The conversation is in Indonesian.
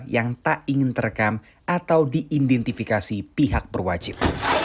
yang tak ingin terekam atau diidentifikasi pihak berwajib